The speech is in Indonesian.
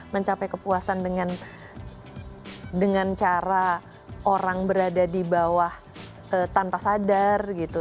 mencapai kepuasan dengan cara orang berada di bawah tanpa sadar gitu